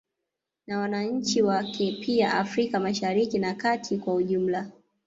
Na wananchi wake pia Afrika Mashariki na kati kwa ujumla